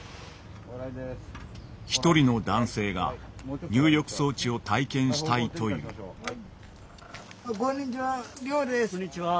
一人の男性が入浴装置を体験したいというはい。